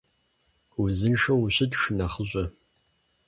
Узыншэу ущыт шынэхъыщӀэ!